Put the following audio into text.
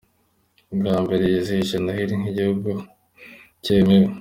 Bwa mbere yizihije Noheli nk’igihugu cyemewe